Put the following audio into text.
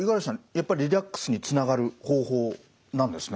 やっぱりリラックスにつながる方法なんですね？